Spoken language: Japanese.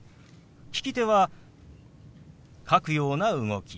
利き手は書くような動き。